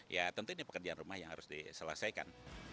ya tentu ini pekerjaan rumah yang harus diselesaikan